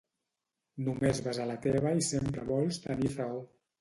Només vas a la teva i sempre vols tenir raó